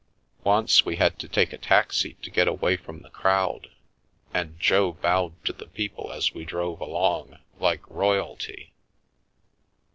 Once we had to take a taxi to get away from the crowd, and Jo bowed to the people as we drove along, like royalty."